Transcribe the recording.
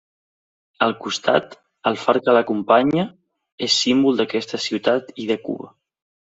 Al costat, el far que l'acompanya, és símbol d'aquesta ciutat i de Cuba.